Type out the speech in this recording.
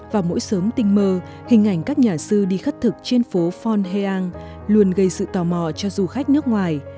vào mỗi sớm tinh mơ hình ảnh các nhà sư đi khất thực trên phố forn hang luôn gây sự tò mò cho du khách nước ngoài